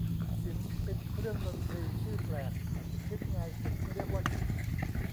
ขิม เป็นเครื่องดนตรีชื่อแปลก คิดไงถึงเรียกว่าขิม